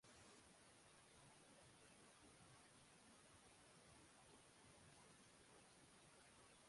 দুদিন পরে এ গাঁয়ে বাস করিবার স্মৃতিটুকু মনে আনিবার সময়ও কি থাকিবে তাহার?